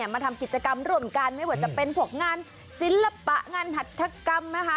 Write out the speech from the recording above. มาทำกิจกรรมร่วมกันไม่ว่าจะเป็นพวกงานศิลปะงานหัฐกรรมนะคะ